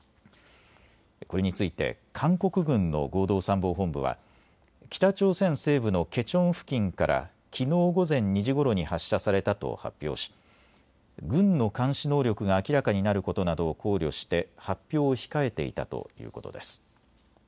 これについて韓国軍の合同参謀本部は北朝鮮西部のケチョン付近からきのう午前２時ごろに発射されたと発表し、軍の監視能力が明らかになることなどを考慮して発表を控えていたということです。